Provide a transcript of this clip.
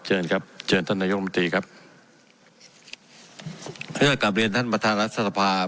เชิญครับเชิญท่านนายกมธีครับกลับเรียนท่านประธานรัฐศาสตร์ภาพ